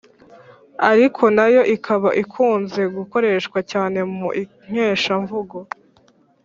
ariko nayo ikaba ikunze gukoreshwa cyane mu ikeshamvugo